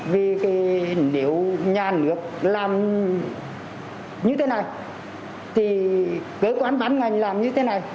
vì nếu nhà nước làm như thế này thì cơ quan bán ngành làm như thế này